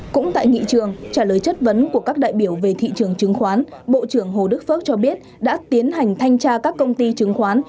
cũng tại nghị trường trả lời chất vấn của các đại biểu về thị trường chứng khoán bộ trưởng hồ đức phước cho biết đã tiến hành thanh tra các công ty chứng khoán